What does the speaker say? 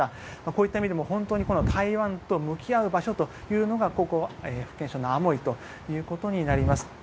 こういった意味でも本当に台湾と向き合う場所というのがここ、福建省のアモイということになります。